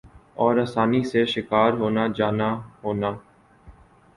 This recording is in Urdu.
اور آسانی سے شکار ہونا جانا ہونا ۔